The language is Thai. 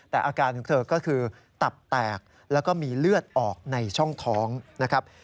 แต่อาการของเธอก็คือตับแตกแล้วก็มีเลือดออกในช่องท้องนะครับ